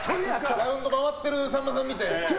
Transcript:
ラウンド回ってるさんまさんを見て？